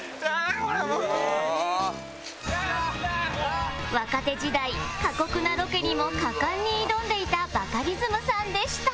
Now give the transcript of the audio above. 「うわあ」若手時代過酷なロケにも果敢に挑んでいたバカリズムさんでした